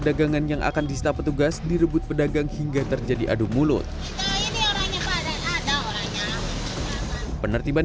dagangan yang akan disetap petugas direbut pedagang hingga terjadi adu mulut penertiban